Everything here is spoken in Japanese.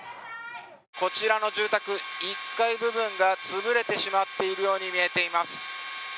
こちらの住宅、１階部分が潰れてしまっているように見えています。